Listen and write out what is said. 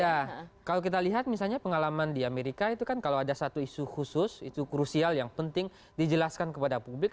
ya kalau kita lihat misalnya pengalaman di amerika itu kan kalau ada satu isu khusus itu krusial yang penting dijelaskan kepada publik